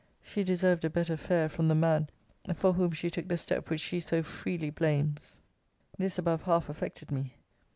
she deserved a better fare from the man for whom she took the step which she so freely blames! This above half affected me.